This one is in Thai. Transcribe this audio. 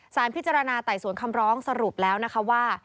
สารพิจารณาไต่สวนคำร้องสรุปแล้วนะคะว่า